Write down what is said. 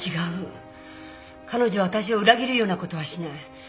彼女はわたしを裏切るようなことはしない。